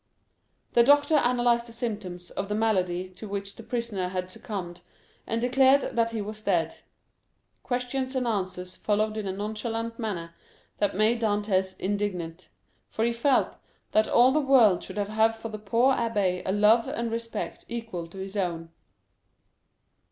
The doctor analyzed the symptoms of the malady to which the prisoner had succumbed, and declared that he was dead. Questions and answers followed in a nonchalant manner that made Dantès indignant, for he felt that all the world should have for the poor abbé a love and respect equal to his own.